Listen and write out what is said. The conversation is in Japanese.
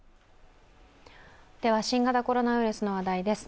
新型コロナウイルスの話題です。